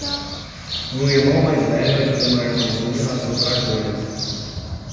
Um irmão mais velho ajuda uma irmãzinha a soprar bolhas.